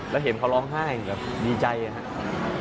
แล้วเห็นเขาร้องไห้แบบดีใจนะครับ